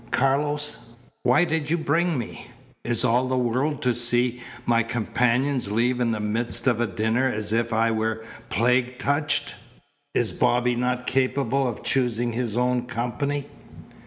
Carlos! Why did you bring me? Is all the world to see my companions leave in the midst of a dinner as if I were plague touched? Is Bobby not capable of choosing his own company?"